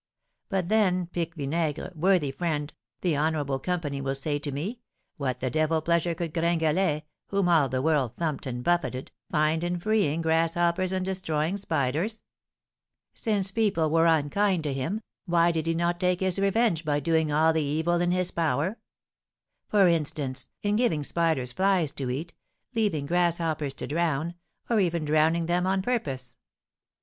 But then, Pique Vinaigre, worthy friend, the honourable company will say to me, what the devil pleasure could Gringalet, whom all the world thumped and buffeted, find in freeing grasshoppers and destroying spiders? Since people were unkind to him, why did he not take his revenge by doing all the evil in his power? For instance, in giving spiders flies to eat, leaving grasshoppers to drown, or even drowning them on purpose?"